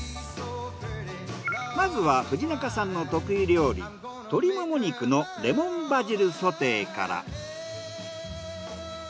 まずは藤中さんの得意料理鶏モモ肉のレモンバジルソテーから。